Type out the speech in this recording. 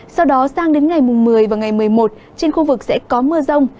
sau đó sang đến ngày một mươi và ngày một mươi một trên khu vực sẽ có mưa rông